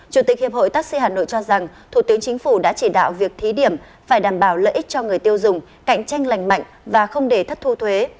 chủ tịch hiệp hội taxi hà nội cho rằng thủ tướng chính phủ đã chỉ đạo việc thí điểm phải đảm bảo lợi ích cho người tiêu dùng cạnh tranh lành mạnh và không để thất thu thuế